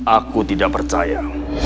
aku tidak percaya